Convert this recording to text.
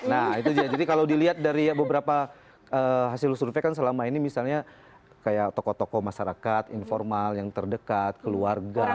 nah itu jadi kalau dilihat dari beberapa hasil survei kan selama ini misalnya kayak tokoh tokoh masyarakat informal yang terdekat keluarga